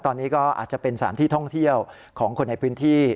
ตอนนี้ก็อาจจะเป็นสถานที่ท่องเที่ยวของคนในพื้นที่